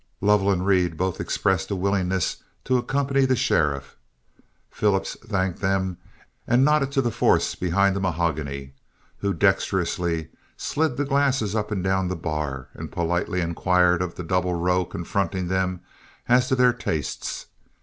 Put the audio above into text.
Lovell and Reed both expressed a willingness to accompany the sheriff. Phillips thanked them and nodded to the force behind the mahogany, who dexterously slid the glasses up and down the bar, and politely inquired of the double row confronting them as to their tastes.